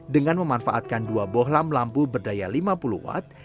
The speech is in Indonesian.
dengan memanfaatkan dua bohlam lampu berdaya lima puluh watt